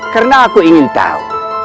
karena aku ingin tahu